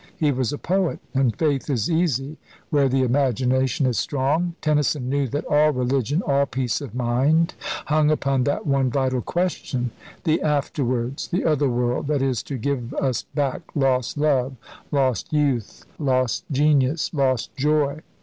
He was a poet; and faith is easy where the imagination is strong. Tennyson knew that all religion, all peace of mind, hung upon that one vital question the Afterwards the other world that is to give us back lost love, lost youth, lost genius, lost joy.